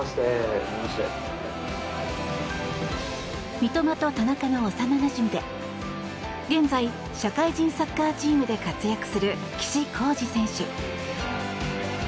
三笘と田中の幼なじみで現在、社会人サッカーチームで活躍する岸晃司選手。